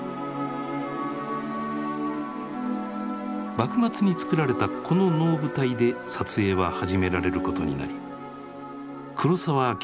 幕末につくられたこの能舞台で撮影は始められることになり黒澤明